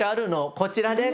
こちらです。